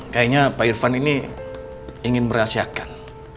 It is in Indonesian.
kayaknya pak irfan ini ingin merahasiakan